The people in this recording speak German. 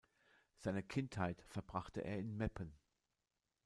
Seine Kindheit verbrachte er in Meppen.